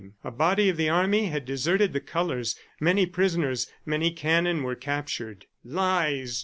A body of the army had deserted the colors; many prisoners, many cannon were captured. "Lies!